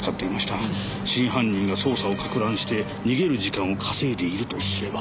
真犯人が捜査をかく乱して逃げる時間を稼いでいるとすれば。